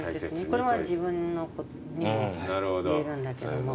これは自分にもいえるんだけども。